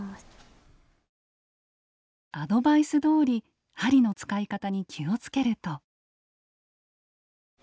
アドバイスどおり針の使い方に気をつけると。